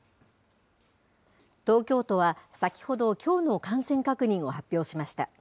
東京都は先ほど、きょうの感染確認を発表しました。